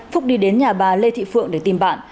phúc đi đến nhà bà lê thị phượng để tìm bạn